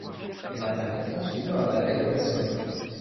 Elle intervient ensuite dans la bataille de la Somme.